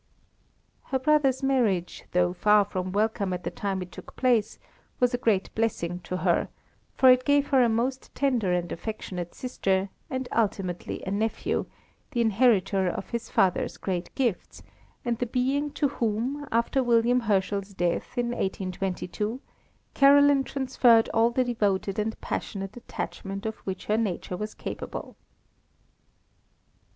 Her brother's marriage, though far from welcome at the time it took place, was a great blessing to her; for it gave her a most tender and affectionate sister, and ultimately a nephew, the inheritor of his father's great gifts, and the being to whom, after William Herschel's death in 1822, Caroline transferred all the devoted and passionate attachment of which her nature was capable.